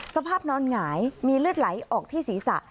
สภาพนอนหงายมีเลือดไหลออกที่ศีรษะ